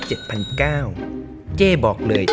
เจ๊บอกเลย